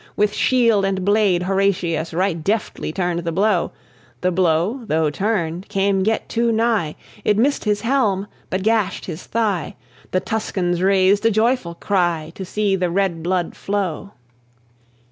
With shield and blade Horatius Right deftly turned the blow. The blow, though turned, came yet too nigh; It missed his helm, but gashed his thigh: The Tuscans raised a joyful cry To see the red blood flow.